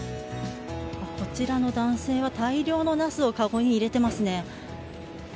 こちらの男性は大量のナスをかごに入れてますね。